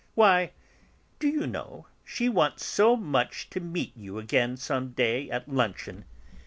"Why, do you know, she wants so much to meet you again some day at luncheon.